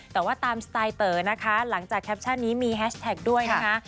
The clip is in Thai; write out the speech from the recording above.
แต่ว่าตามสไตล์เต๋อนะคะหลังจากแคปชั่นนี้มีแฮชแท็กด้วยนะคะ